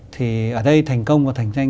thì ở đây thành công và thành danh